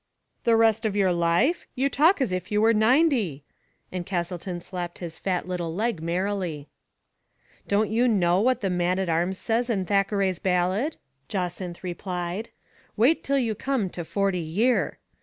" The rest of your life ? You talk as if you were ninety !" And Castleton slapped his fat little leg merrily. " Don't you know what the man at arms says in Thackeray's ballad ?" Jacynth replied. "* Wait till you come to forty year.'